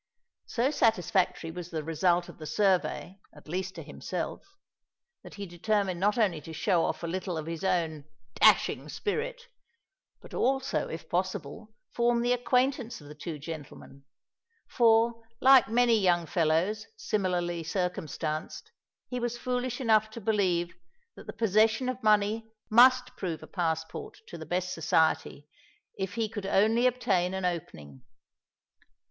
So satisfactory was the result of the survey—at least to himself—that he determined not only to show off a little of his own "dashing spirit," but also, if possible, form the acquaintance of the two gentlemen; for, like many young fellows similarly circumstanced, he was foolish enough to believe that the possession of money must prove a passport to the best society, if he could only obtain an opening.